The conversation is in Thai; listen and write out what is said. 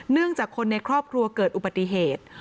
จากคนในครอบครัวเกิดอุบัติเหตุ